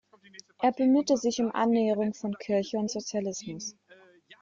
Er bemühte sich um Annäherung von Kirche und Sozialismus.